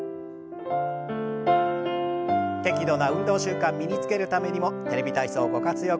適度な運動習慣身につけるためにも「テレビ体操」ご活用ください。